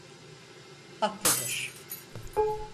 Hakkıdır…